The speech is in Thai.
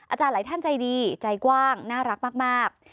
อาจารย์หลายท่านใจดีใจกว้างน่ารักมาก